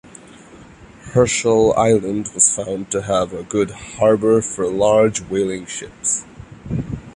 Herschel Island was found to have a good harbour for large whaling ships.